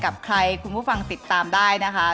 กับใครคุณผู้ฟังติดตามได้นะคะ